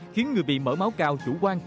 khiến người bị mỡ máu cao chủ quan